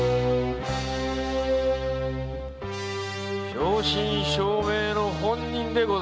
正真正銘の本人でございます。